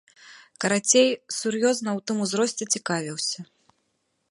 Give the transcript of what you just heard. Карацей, сур'ёзна ў тым узросце цікавіўся.